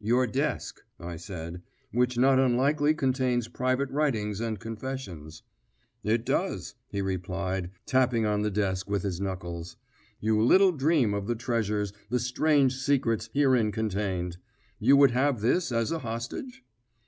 "Your desk," I said, "which not unlikely contains private writings and confessions." "It does," he replied, tapping on the desk with his knuckles. "You little dream of the treasures, the strange secrets, herein contained. You would have this as a hostage?"